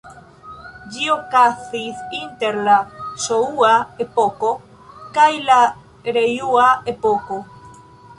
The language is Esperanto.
Ĝi okazis inter la Ŝoŭa-epoko kaj la Rejŭa-epoko.